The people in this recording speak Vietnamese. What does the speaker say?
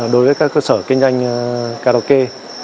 đối với các cơ sở kinh doanh karaoke